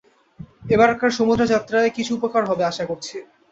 এবারকার সমুদ্রযাত্রায় কিছু উপকার হবে, আশা করছি।